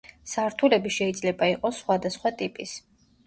სართულები შეიძლება იყოს სხვადასხვა ტიპის.